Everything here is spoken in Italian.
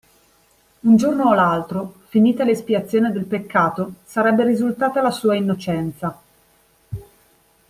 Un giorno o l'altro, finita l'espiazione del peccato, sarebbe risultata la sua innocenza.